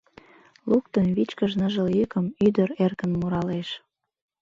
Луктын вичкыж ныжыл йӱкым, Ӱдыр эркын муралеш.